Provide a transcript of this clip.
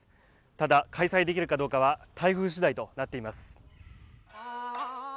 ただ、開催できるかどうかは台風しだいとなっています。